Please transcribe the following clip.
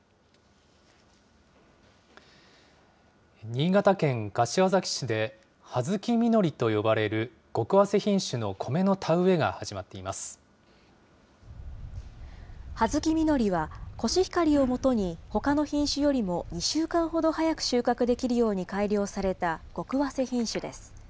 新潟県柏崎市で、葉月みのりと呼ばれるごくわせ品種のコメの田植えが始まっていま葉月みのりは、コシヒカリをもとにほかの品種よりも２週間ほど早く収穫できるように改良されたごくわせ品種です。